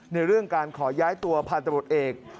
ในเรื่องการขอย้ายตัวพาตะบดเอก